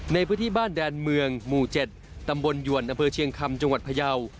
ในพื้นที่บ้านแดนเมืองหมู่๗ตำบลหยวนอำเภอเชียงคำจังหวัดพยาว